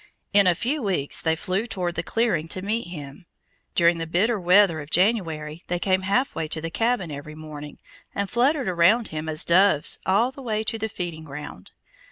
In a few weeks they flew toward the clearing to meet him. During the bitter weather of January they came halfway to the cabin every morning, and fluttered around him as doves all the way to the feeding ground.